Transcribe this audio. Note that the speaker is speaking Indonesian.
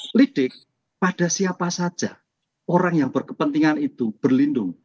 jadi di lidik pada siapa saja orang yang berkepentingan itu berlindung